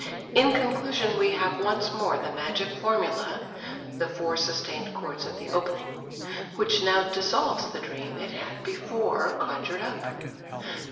In conclusion we have once more the magic formula [the four sustained chords of the opening], which now dissolves the dream it had before conjured up."